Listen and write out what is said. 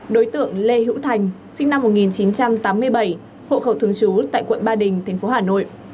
đối tượng lê hữu thành sinh năm một nghìn chín trăm tám mươi bảy hộ khẩu thường trú tại quận ba đình tp hà nội